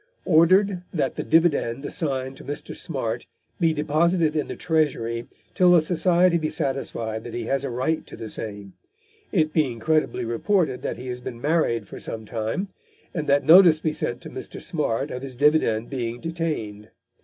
Ordered that the dividend assigned to Mr. Smart be deposited in the Treasury till the Society be satisfied that he has a right to the same; it being credibly reported that he has been married for some time, and that notice be sent to Mr. Smart of his dividend being detained."